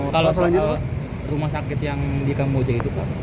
kalau soal rumah sakit yang di kamboja itu pak